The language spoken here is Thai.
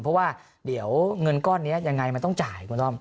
เพราะว่าเดี๋ยวเงินก้อนนี้ยังไงมันต้องจ่ายคุณด้อม